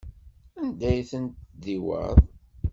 Anda ay ten-tdiwaḍ?